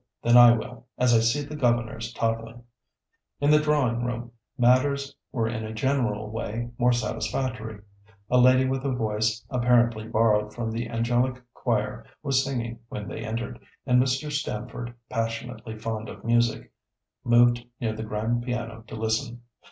Then I will, as I see the governor's toddlin'." In the drawing room matters were in a general way more satisfactory. A lady with a voice apparently borrowed from the angelic choir was singing when they entered, and Mr. Stamford, passionately fond of music, moved near the grand piano to listen.